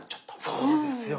そうですよ。